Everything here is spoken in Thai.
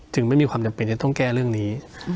ไม่มีความจำเป็นจะต้องแก้เรื่องนี้